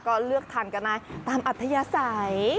ก็เลือกทานกันได้ตามอัธยาศัย